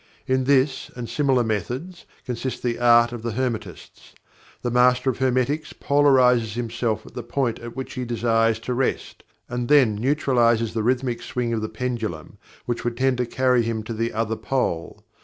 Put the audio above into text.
In this and similar methods, consist the Art of the Hermetists. The Master of Hermetics polarizes himself at the point at which he desires to rest, and then neutralizes the Rhythmic swing of the pendulum which would tend to carry him to the other pole.